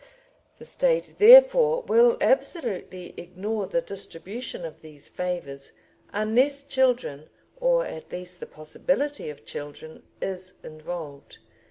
The State, therefore, will absolutely ignore the distribution of these favours unless children, or at least the possibility of children, is involved.